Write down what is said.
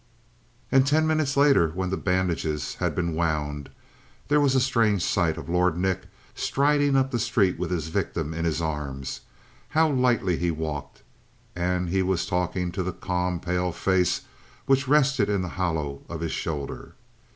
And ten minutes later, when the bandages had been wound, there was a strange sight of Lord Nick striding up the street with his victim in his arms. How lightly he walked; and he was talking to the calm, pale face which rested in the hollow of his shoulder.